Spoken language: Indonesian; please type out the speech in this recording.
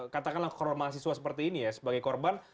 katakanlah korban mahasiswa seperti ini ya sebagai korban